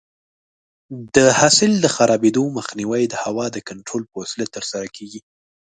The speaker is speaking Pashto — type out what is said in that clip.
د حاصل د خرابېدو مخنیوی د هوا د کنټرول په وسیله ترسره کېږي.